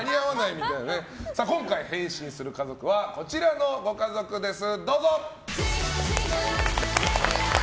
今回、変身する家族はこちらのご家族です！